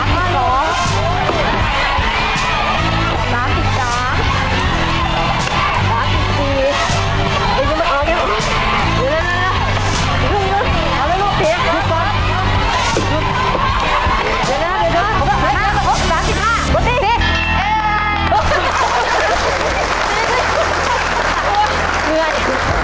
อุ๊ยอุ๊ยอุ๊ยอุ๊ย